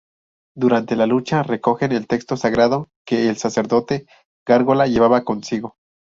Durante la lucha recogen el texto sagrado que el sacerdote gárgola llevaba consigo.